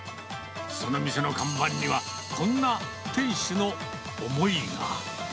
その店の看板には、こんな店主の思いが。